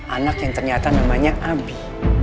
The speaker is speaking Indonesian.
anak yang ternyata namanya abi